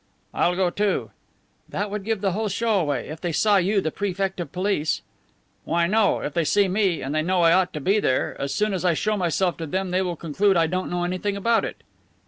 "I'll go too." "That would give the whole show away, if they saw you, the Prefect of Police." "Why, no. If they see me and they know I ought to be there as soon as I show myself to them they will conclude I don't know anything about it."